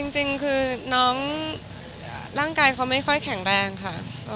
จริงคือน้องร่างกายเขาไม่ค่อยแข็งแรงค่ะ